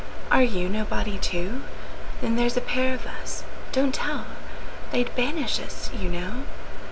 Are you nobody, too? Then there 's a pair of us—don't tell! They 'd banish us, you know.